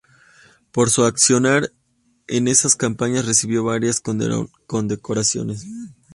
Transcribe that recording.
Por su accionar en esas campañas recibió varias condecoraciones.